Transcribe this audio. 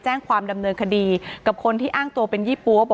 อ๋อเจ้าสีสุข่าวของสิ้นพอได้ด้วย